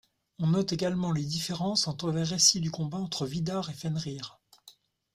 On note également les différences entre les récits du combat entre Vidar et Fenrir.